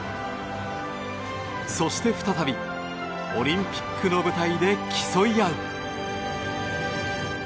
そして再びオリンピックの舞台で競い合う。